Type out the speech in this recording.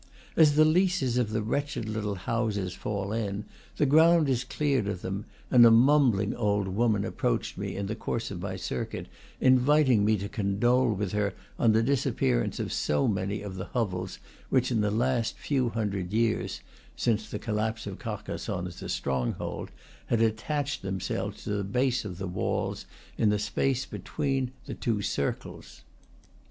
As the leases of the wretched little houses fall in, the ground is cleared of them; and a mumbling old woman ap proached me in the course of my circuit, inviting me to condole with her on the disappearance of so many of the hovels which in the last few hundred years (since the collapse of Carcassonne as a stronghold) had attached themselves to the base of the walls, in the space between the two circles.